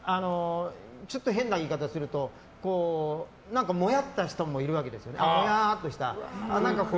ちょっと変な言い方をするともやった人もいるわけですよね。もやーっとした。